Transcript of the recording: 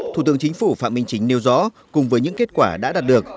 thủ tướng chính phủ phạm minh chính nêu rõ cùng với những kết quả đã đạt được